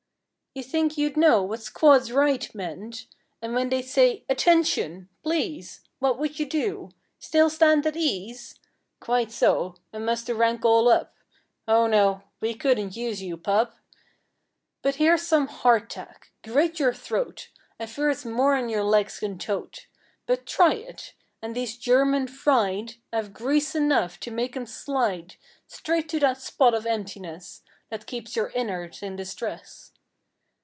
You think you'd know what "squads right" meant? And when they'd say "Attention!" Please What would you do? Still stand at ease? Quite so—and muss the rank all up— Oh no, we couldn't use you, pup! But here's some "hard tack." Grate your throat! I fear it's more'n your legs can tote, But try it. And these "German fried" 'Ave grease enough to make 'em slide Straight to that spot of emptiness That keeps your innards in distress!